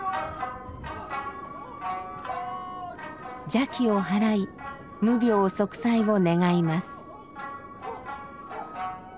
邪気をはらい無病息災を願います。